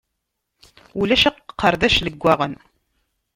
Ulac aqerdac leggaɣen.